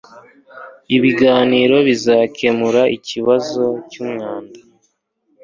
Ibiganiro bizakemura ikibazo cyumwanda